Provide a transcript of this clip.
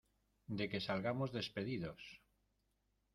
de que salgamos despedidos.